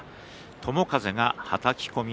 友風、はたき込み